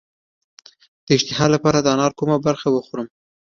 د اشتها لپاره د انار کومه برخه وخورم؟